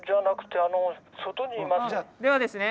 ではですね